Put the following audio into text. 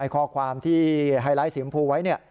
ข้อความที่ไฮไลท์สีชมพูไว้